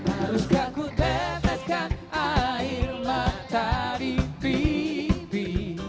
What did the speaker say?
haruskah ku teteskan air mata di pipi